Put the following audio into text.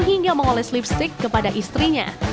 hingga mengoles lipstick kepada istrinya